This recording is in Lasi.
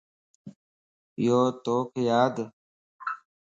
يو توک يادَ ؟